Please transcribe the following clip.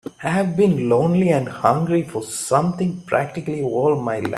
I've been lonely and hungry for something practically all my life.